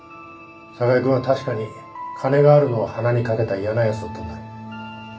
寒河江君は確かに金があるのを鼻に掛けた嫌なやつだったんだろ。